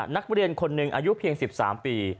นักเรียนคนหนึ่งอายุเพียง๑๓ปี